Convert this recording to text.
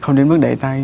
không đến mức đẩy tay